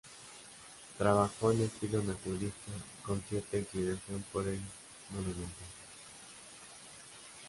Trabajó en estilo naturalista con cierta inclinación por el monumental.